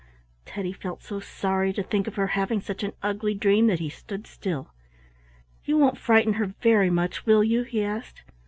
Teddy felt so sorry to think of her having such an ugly dream that he stood still. "You won't frighten her very much, will you?" he asked.